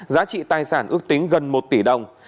giá trị tài sản ước tính gần một tỷ đồng